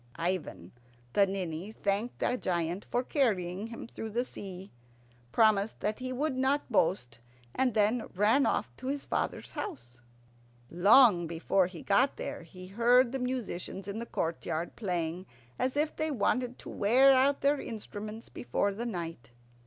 Ivan the Ninny thanked the giant for carrying him through the sea, promised that he would not boast, and then ran off to his father's house. Long before he got there he heard the musicians in the courtyard playing as if they wanted to wear out their instruments before night.